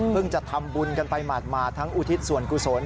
จะทำบุญกันไปหมาดทั้งอุทิศส่วนกุศล